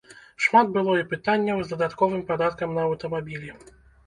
Шмат было і пытанняў з дадатковым падаткам на аўтамабілі.